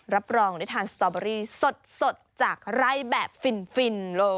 รับรองได้ทานสตอเบอรี่สดจากไร่แบบฟินเลย